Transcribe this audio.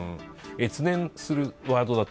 越年するワードだと。